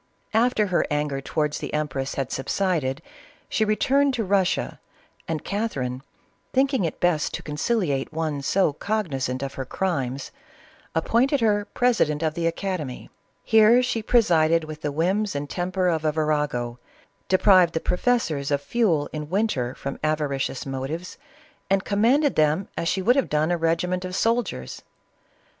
After her anger towards the empress had subsided, she returned to Russia, and Catherine, thinking it best to conciliate one so cognizant of her crimes, appointed her president of the academy. Here she presided with the whims and temper of a virago, deprived the professors of fuel in winter, from avari cious motives, and commanded them as she would have done a regiment of soldiers.